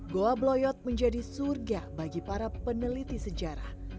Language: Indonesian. goa bloyot menjadi surga bagi para peneliti sejarah